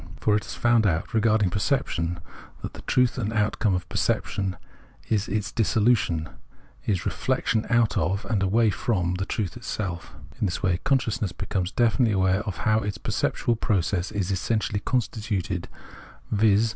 For it has found out, regarding perception, that the truth and outcome of perception is its dissolution, is reflection out of and away from the truth into itself. In this way consciousness becomes definitely aware of how its perceptual process is essentially constituted, viz.